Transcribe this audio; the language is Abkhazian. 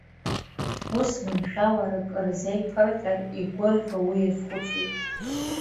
Ус маншәалак рзеиԥырҟьар, игәырӷьо уи иазхәыцуеит.